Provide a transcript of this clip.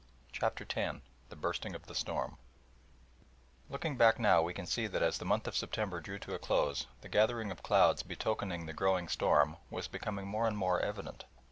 CHAPTER X THE BURSTING OF THE STORM Looking back now we can see that as the month of September drew to a close the gathering of clouds betokening the growing storm was becoming more and more evident.